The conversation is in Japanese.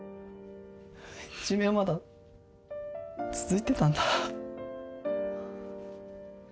いじめはまだ続いてたんだ。